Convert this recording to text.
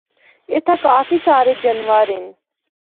اِتھا کافی سارے جانور ہن۔